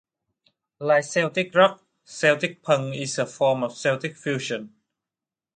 Like Celtic rock, Celtic punk is a form of Celtic fusion.